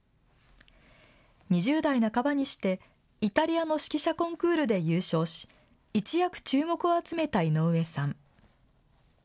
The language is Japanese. ２０代半ばにしてイタリアの指揮者コンクールで優勝し一躍、注目を集めた井上さん。